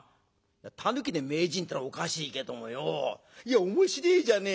タヌキで名人ってのはおかしいけどもよいや面白えじゃねえか。